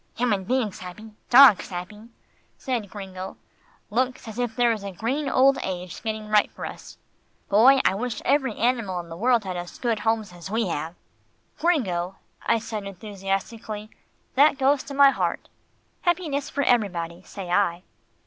"Human beings happy, dogs happy," said Gringo, "looks as if there was a green old age getting ripe for us. Boy, I wish every animal in the world had as good homes as we have." "Gringo," I said enthusiastically, "that goes to my heart. Happiness for everybody, say I."